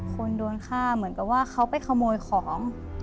คนโดนฆ่าเหมือนกับว่าเขาไปขโมยของ